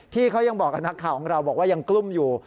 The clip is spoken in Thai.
พี่เขายังบอกกับนักข่าวของเราบอกว่ายังกลุ้มอยู่